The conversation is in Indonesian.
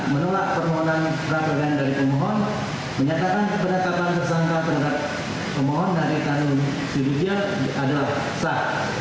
menolak permohonan peradakan dari permohon menyatakan penatapan kesangkaan terhadap permohon haritanu sudibyo adalah sah